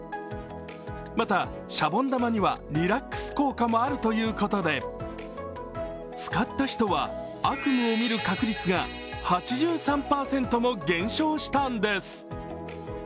また、シャボン玉にはリラックス効果もあるということで使った人は悪夢を見る確率が８３％も減少したんです。